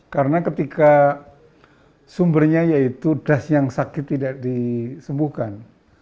karena ketika sumbernya yaitu das yang sakit tidak disembuhkan